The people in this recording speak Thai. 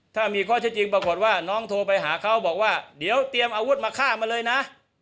ถ้ามีข้อเท็จจริงปรากฏว่าน้องโทรไปหาเขาบอกว่าเดี๋ยวเตรียมอาวุธมาฆ่ามาเลยนะ